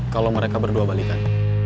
kalau mereka berdua balikan